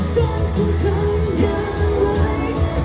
ช่วยบอกให้หลุดช้อนของฉันอย่าไหว